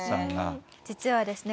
実はですね